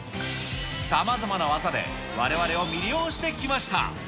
さまざまな技で、われわれを魅了してきました。